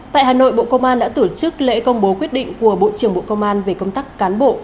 tại hà nội bộ công an đã tổ chức lễ công bố quyết định của bộ trưởng bộ công an về công tác cán bộ